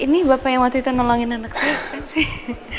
ini bapak yang waktu itu nolongin anak saya apa sih